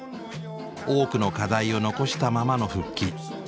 多くの課題を残したままの復帰。